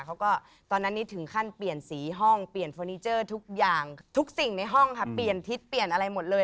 ตอนนั้นนี้ถึงขั้นเปลี่ยนสีห้องเปลี่ยนเฟอร์นิเจอร์ทุกอย่างทุกสิ่งในห้องค่ะเปลี่ยนทิศเปลี่ยนอะไรหมดเลย